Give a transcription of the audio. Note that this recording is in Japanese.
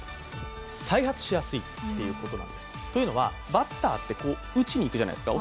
バッターって打ちにいくじゃないですか。